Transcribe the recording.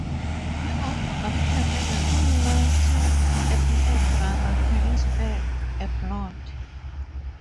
He also appeared in the Moonlighting episode Brother, Can You Spare A Blonde?